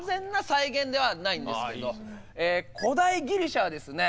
古代ギリシャはですね